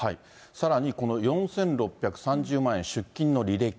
さらにこの４６３０万円出金の履歴。